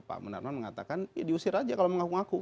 pak munarman mengatakan ya diusir aja kalau mengaku ngaku